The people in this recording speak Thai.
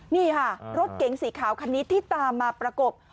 นี่ค่ะรถเก๋งสีขาวคันนี้ที่ตามมาประกบ